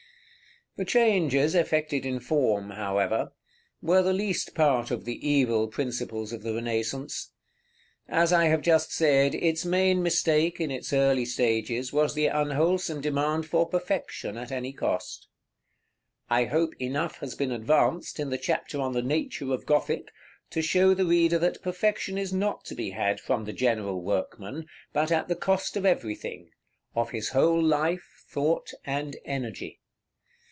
§ XX. The changes effected in form, however, were the least part of the evil principles of the Renaissance. As I have just said, its main mistake, in its early stages, was the unwholesome demand for perfection, at any cost. I hope enough has been advanced, in the chapter on the Nature of Gothic, to show the reader that perfection is not to be had from the general workman, but at the cost of everything, of his whole life, thought, and energy.